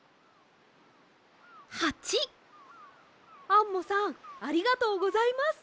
アンモさんありがとうございます！